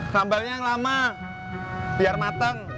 tambalnya yang lama biar mateng